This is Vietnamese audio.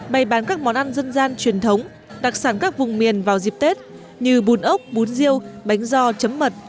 bày bán các món ăn dân gian truyền thống đặc sản các vùng miền vào dịp tết như bún ốc bún riêu bánh do chấm mật